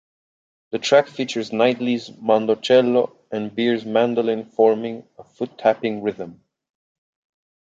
The track features Knightley's mandocello and Beer's mandolin forming a "foot tapping" rhythm.